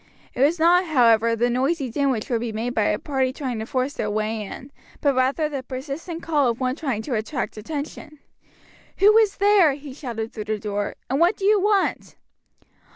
It was not, however, the noisy din which would be made by a party trying to force their way in, but rather the persistent call of one trying to attract attention. "Who is there?" he shouted through the door; "and what do you want?"